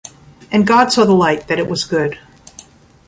And God saw the light, that it was good: